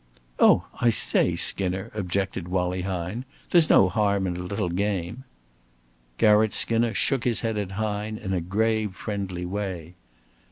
"Oh, I say, Skinner," objected Wallie Hine. "There's no harm in a little game." Garratt Skinner shook his head at Hine in a grave friendly way.